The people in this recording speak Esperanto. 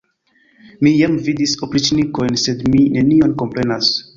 Mi jam vidis opriĉnikojn, sed mi nenion komprenas.